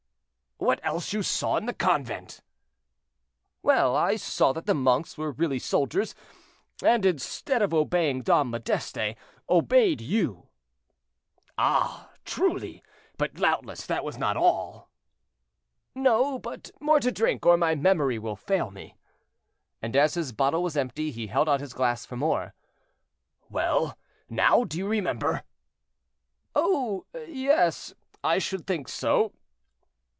"What else you saw in the convent." "Well, I saw that the monks were really soldiers, and instead of obeying Dom Modeste, obeyed you." "Ah, truly: but doubtless that was not all?" "No; but more to drink, or my memory will fail me." And as his bottle was empty, he held out his glass for more. "Well, now do you remember?" "Oh, yes, I should think so."